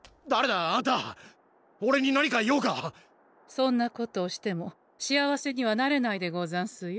そんなことをしても幸せにはなれないでござんすよ。